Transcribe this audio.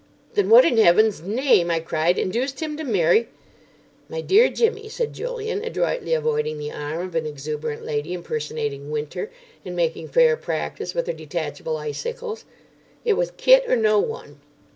"Then what in Heaven's name," I cried, "induced him to marry——" "My dear Jimmy," said Julian, adroitly avoiding the arm of an exuberant lady impersonating Winter, and making fair practice with her detachable icicles, "it was Kit or no one.